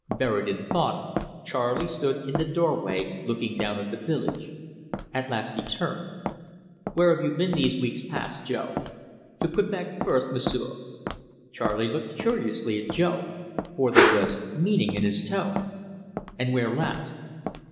Buried in thought, Charley stood in the doorway looking down at the village. At last he turned. "Where have you been these weeks past, Jo?" "To Quebec first, M'sieu'." Charley looked curiously at Jo, for there was meaning in his tone. "And where last?"